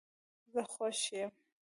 زه خوښ یم